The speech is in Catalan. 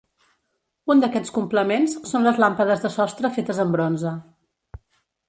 Un d'aquests complements són les làmpades de sostre fetes en bronze.